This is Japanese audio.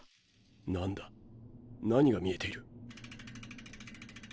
なんだ何が見えている？